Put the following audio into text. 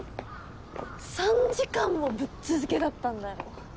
３時間もぶっ続けだったんだよ。